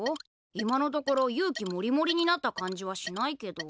今のところ勇気もりもりになった感じはしないけど。